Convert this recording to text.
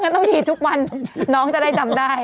ต้องฉีดทุกวันน้องจะได้จำได้